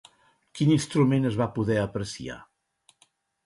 Quin instrument es va poder apreciar?